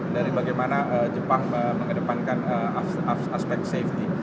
dari bagaimana jepang mengedepankan aspek safety